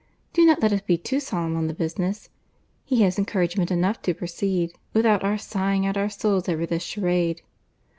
Do not let us be too solemn on the business. He has encouragement enough to proceed, without our sighing out our souls over this charade."